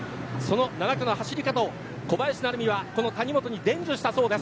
その７区の上り方を小林成美は谷本に伝授したそうです。